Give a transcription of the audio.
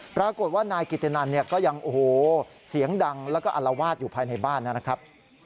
ปรากฏว่านายกิตตินันก็ยังเสียงดังแล้วก็อรวาสอยู่ภายในบ้านนะครับ